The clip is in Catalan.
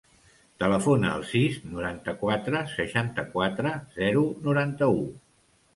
Telefona al sis, noranta-quatre, seixanta-quatre, zero, noranta-u.